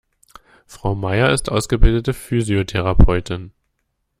Frau Maier ist ausgebildete Physiotherapeutin.